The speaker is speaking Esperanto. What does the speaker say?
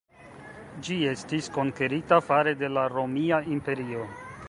Ĝi estis konkerita fare de la Romia Imperio.